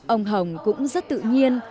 ông hồng cũng rất tự nhiên